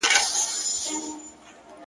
پس له وخته به روان وو كږه غاړه!.